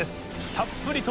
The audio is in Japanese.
たっぷりと。